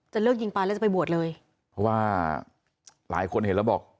เลิกยิงไปแล้วจะไปบวชเลยเพราะว่าหลายคนเห็นแล้วบอก